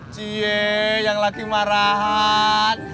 ciee yang lagi marahan